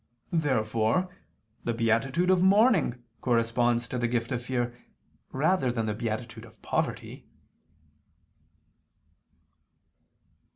Therefore the beatitude of mourning corresponds to the gift of fear, rather than the beatitude of poverty.